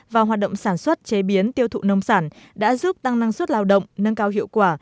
và hoạt động sản xuất chế biến tiêu thụ nông sản đã giúp tăng năng suất lao động nâng cao hiệu quả